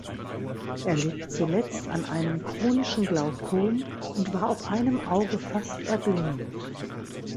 Er litt zuletzt an einem chronischen Glaukom und war auf einem Auge fast erblindet.